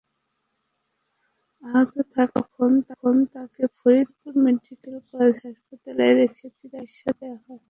আহত থাকায় তখন তাঁকে ফরিদপুর মেডিকেল কলেজ হাসপাতালে রেখে চিকিৎসা দেওয়া হয়।